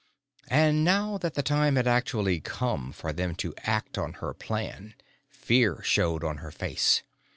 And, now that the time had actually come for them to act on her plan, fear showed on her face.